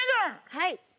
はい。